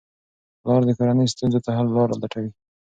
پلار د کورنۍ ستونزو ته حل لارې لټوي.